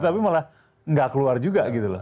tapi malah nggak keluar juga gitu loh